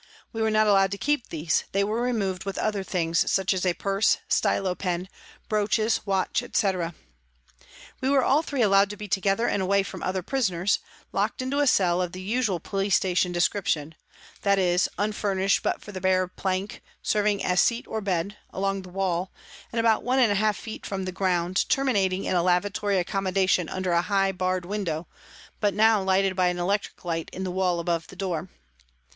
We were not allowed to keep these ; they were removed with other things, such as a purse, stylo pen, brooches, watch, etc. We were all three allowed to be together and away from other prisoners, locked into a cell of the usual police station descrip tion that is, unfurnished but for the bare plank, serving as seat or bed, along the wall, and about one and a half feet from the ground, terminating in a lavatory accommodation under a high barred window, but now lighted by an electric light in the wall above the door.